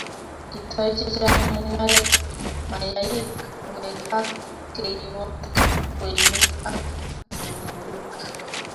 Kitoi chechang mungaretab mayaik, ngwek ak keibot kweinik ak ngoroik